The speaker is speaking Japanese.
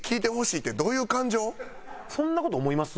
そんな事思います？